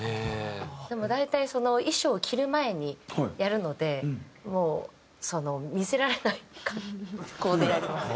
でも大体衣装を着る前にやるのでもうその見せられない格好でやります。